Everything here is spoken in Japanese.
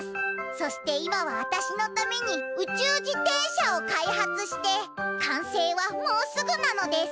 そして今はあたしのために宇宙自転車を開発してかんせいはもうすぐなのです。